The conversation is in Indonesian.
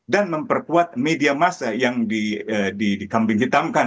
dan memperkuat media massa yang dikambing hitamkan